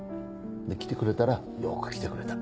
で来てくれたら「よく来てくれた」。